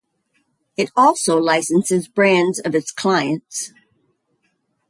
It also licenses brands of its clients.